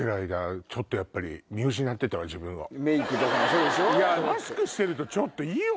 メイクとかもそうでしょ？